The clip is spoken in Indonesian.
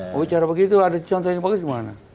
mau bicara begitu ada contoh yang bagus di mana